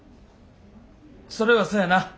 それはそやな。